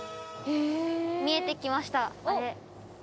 見えてきましたあれ。